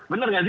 bener gak sih